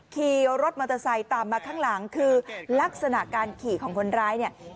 ขี่รถมอเตอร์ไซค์ตามมาข้างหลังคือลักษณะการขี่ของคนร้ายเนี่ย